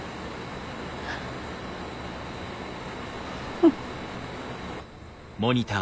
うん。